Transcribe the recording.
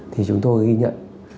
thì chúng tôi ghi nhận